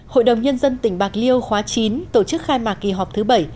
hội đồng nhân dân tỉnh bạc liêu khóa chín tổ chức khai mạc kỳ họp thứ bảy